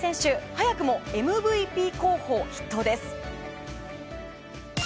早くもＭＶＰ候補筆頭です。